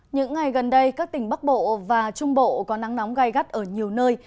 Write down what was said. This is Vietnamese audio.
những ngày gần đây các tỉnh bắc bộ và trung bộ có nắng nóng gai gắt ở nhiều nơi